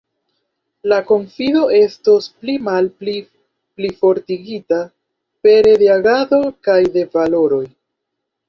La konfido estos pli malpli plifortigita pere de agado kaj de valoroj.